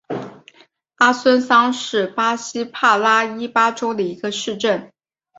阿孙桑是巴西帕拉伊巴州的一个市镇。